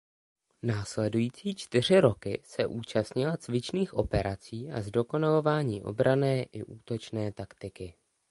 Následující čtyři roky se účastnila cvičných operací a zdokonalování obranné i útočné taktiky.